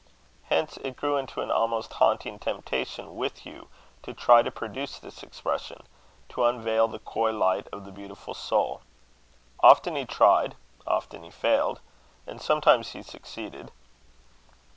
Hence it grew into an almost haunting temptation with Hugh, to try to produce this expression, to unveil the coy light of the beautiful soul. Often he tried; often he failed, and sometimes he succeeded.